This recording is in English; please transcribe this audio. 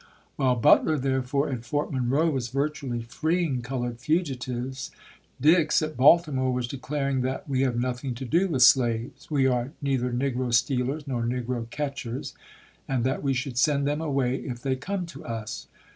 While Butler therefore, at Fort Monroe, was virtually freeing colored fugitives, Dix at Baltimore was declaring that, "We have nothing to do with slaves. We are Dj^to neither negro stealers, nor negro catchers, and that aS'Si. we should send them away if they come to us."